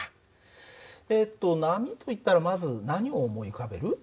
えっと波といったらまず何を思い浮かべる？